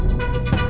hatinya pasti baik